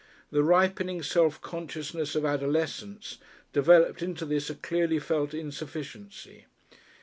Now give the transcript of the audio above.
The ripening self consciousness of adolescence developed this into a clearly felt insufficiency.